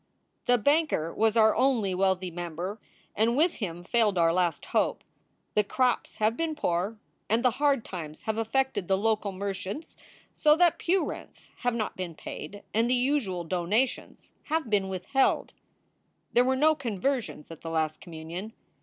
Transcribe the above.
The banker was our only wealthy member and with him failed our last hope. The crops have been poor and the hard times have affected the local merchants so that pew rents have not been paid and the usual donations have been withheld. There were no conversions at the last communion.